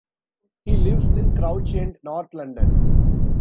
He lives in Crouch End, North London.